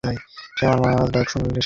সেই মা আজ আমার ডাক শুনে এসেছেন।